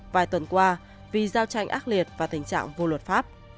vài tuần qua vì giao tranh ác liệt và tình trạng vô luật pháp